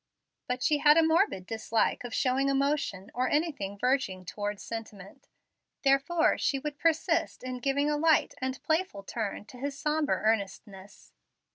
But she had a morbid dislike of showing emotion or anything verging toward sentiment; therefore she would persist in giving a light and playful turn to his sombre earnestness.